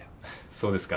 そうですか。